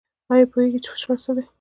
ایا پوهیږئ چې فشار څه دی؟